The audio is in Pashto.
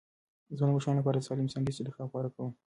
زه د ماشومانو لپاره د سالم سنکس انتخاب غوره کوم.